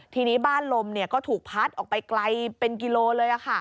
ทีนี้บ้านลมก็ถูกพัดออกไปไกลเป็นกิโลเลย